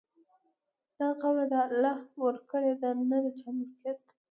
دا خاوره د الله ورکړه ده، نه د چا ملکیت.